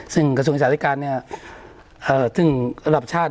ซึ่งการปฏิรูปการศึกษาสหรัฐประชาติ